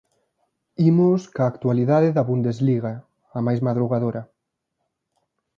Imos coa actualidade da Bundesliga, a máis madrugadora.